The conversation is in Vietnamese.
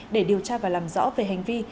để điều tra và làm rõ về hành vi